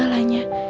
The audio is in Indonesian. apalagi demi keluarga